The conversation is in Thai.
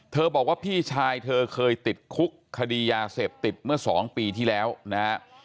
บอกว่าพี่ชายเธอเคยติดคุกคดียาเสพติดเมื่อ๒ปีที่แล้วนะฮะ